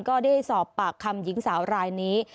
ก็ได้สอบปากคำหญิงสาวรายนี้